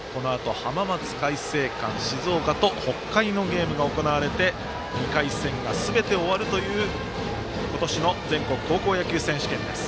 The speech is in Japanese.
このあと浜松開誠館・静岡と北海のゲームが行われて２回戦がすべて終わるという今年の全国高校野球選手権です。